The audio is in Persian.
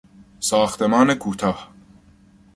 ساختمان کوتاه